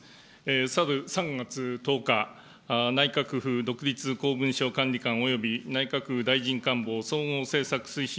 去る３月１０日、内閣府独立公文書管理監および内閣府大臣官房総合政策推進